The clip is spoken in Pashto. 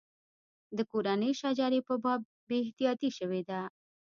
د کورنۍ شجرې په باب بې احتیاطي شوې ده.